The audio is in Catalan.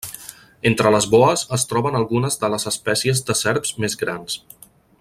Entre les boes es troben algunes de les espècies de serps més grans.